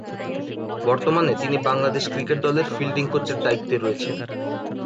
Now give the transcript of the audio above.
বর্তমানে তিনি বাংলাদেশ ক্রিকেট দলের ফিল্ডিং কোচের দায়িত্বে রয়েছেন।